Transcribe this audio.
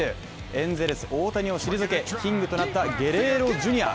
エンゼルス・大谷を退けキングとなったゲレーロジュニア。